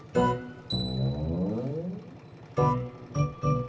sama gua juga kaget